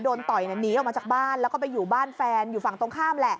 ต่อยหนีออกมาจากบ้านแล้วก็ไปอยู่บ้านแฟนอยู่ฝั่งตรงข้ามแหละ